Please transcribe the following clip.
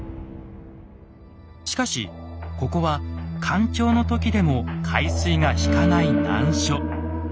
しかしここは干潮の時でも海水が引かない難所。